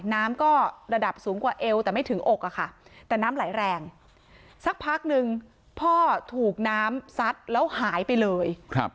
น้ำก็ระดับสูงกว่าเอวแต่ไม่ถึงอกอะค่ะแต่น้ำไหลแรงสักพักหนึ่งพ่อถูกน้ำซัดแล้วหายไปเลย